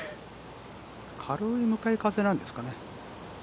軽い向かい風なんですかね。